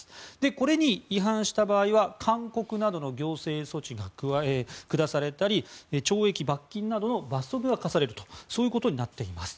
これに違反した場合は勧告などの行政措置が下されたり懲役・罰金などの罰則が科されるとそういうことになっています。